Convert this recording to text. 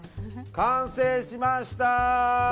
完成しました！